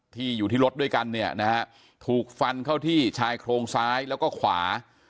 ที่อยู่ที่รถด้วยกันเนี่ยนะฮะถูกฟันเข้าที่ชายโครงซ้ายแล้วก็ขวา